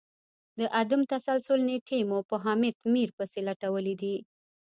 د عدم تسلسل نیټې مو په حامد میر پسي لټولې دي